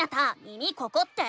「耳ここ⁉」って。